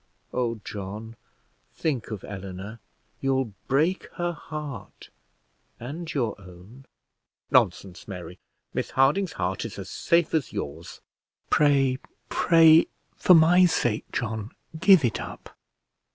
Oh, John, think of Eleanor. You'll break her heart, and your own." "Nonsense, Mary; Miss Harding's heart is as safe as yours." "Pray, pray, for my sake, John, give it up.